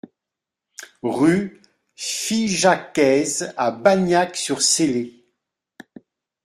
Rue Figeacaise à Bagnac-sur-Célé